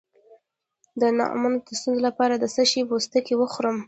د نعوظ د ستونزې لپاره د څه شي پوستکی وخورم؟